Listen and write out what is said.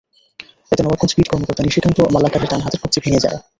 এতে নবাবগঞ্জ বিট কর্মকর্তা নিশিকান্ত মালাকারের ডান হাতের কবজি ভেঙে যায়।